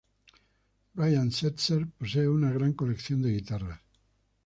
Brian Setzer posee una gran colección de guitarras.